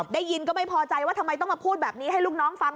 ได้ยินก็ไม่พอใจว่าทำไมต้องมาพูดแบบนี้ให้ลูกน้องฟัง